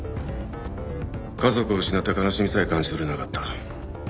家族を失った悲しみさえ感じ取れなかった。